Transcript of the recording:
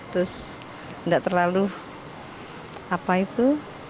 terus nggak terlalu apa itu